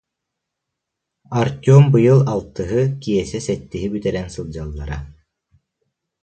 Артем быйыл алтыһы, Киэсэ сэттиһи бүтэрэн сылдьаллара